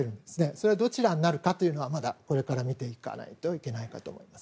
そのどちらになるかはまだこれから見ていかないといけないかと思います。